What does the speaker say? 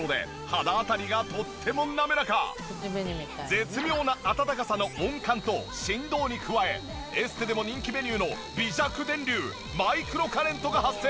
絶妙な温かさの温感と振動に加えエステでも人気メニューの微弱電流マイクロカレントが発生。